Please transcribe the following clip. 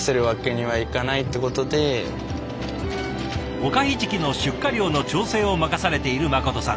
おかひじきの出荷量の調整を任されている心さん。